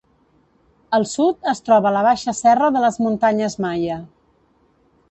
Al sud, es troba la baixa serra de les muntanyes Maia.